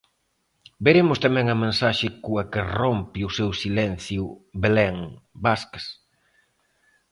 Veremos tamén a mensaxe coa que rompe o seu silencio Belén Vázquez.